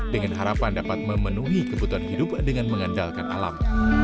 dengan harapan dapat memenuhi kebutuhan hidup dengan mengandalkan alam